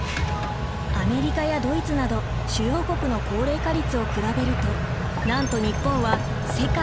アメリカやドイツなど主要国の高齢化率を比べるとなんと日本は世界一！